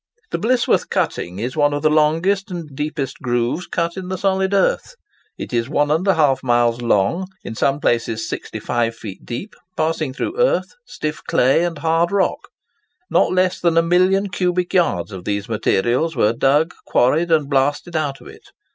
[Picture: Blisworth Cutting] The Blisworth Cutting is one of the longest and deepest grooves cut in the solid earth. It is 1½ mile long, in some places 65 feet deep, passing through earth, stiff clay, and hard rock. Not less than a million cubic yards of these materials were dug, quarried, and blasted out of it.